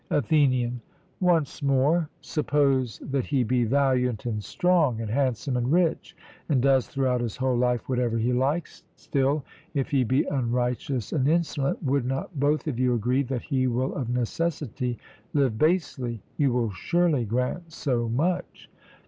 ATHENIAN: Once more: Suppose that he be valiant and strong, and handsome and rich, and does throughout his whole life whatever he likes, still, if he be unrighteous and insolent, would not both of you agree that he will of necessity live basely? You will surely grant so much?